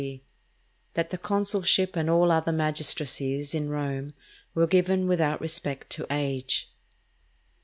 —That the Consulship and all the other Magistracies in Rome were given without respect to Age.